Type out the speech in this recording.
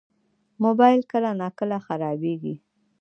موبایل کله ناکله خرابېږي.